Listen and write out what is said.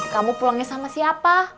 kamu pulangnya sama siapa